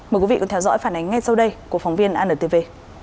mời quý vị cùng theo dõi phản ánh ngay sau đây của phóng viên antv